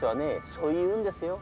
そう言うんですよ。